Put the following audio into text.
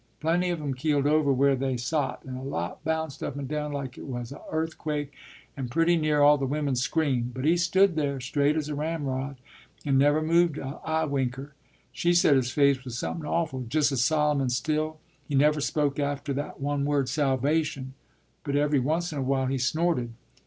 Plenty of 'em keeled over where they sot, and a lot bounced up and down like it was a earthquake and pretty near all the women screamed. But he stood there, straight as a ramrod, and never moved a eye winker. She said his face was somepin awful: just as solemn and still! He never spoke after that one word 'Salvation,' but every once in a while he snorted.